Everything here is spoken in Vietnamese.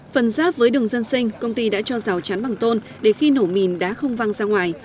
phần giáp với đường dân sinh công ty đã cho rào chắn bằng tôn để khi nổ mìn đá không văng ra ngoài